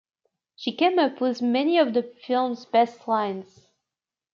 She came up with many of the film's best lines.